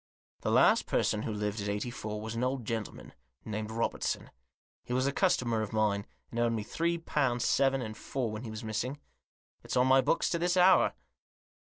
" The last person who lived at Eighty four was an old gentleman, named Robertson. He was a customer of mine, and owed me three pound seven and four when he was missing. It's on my books to this hour."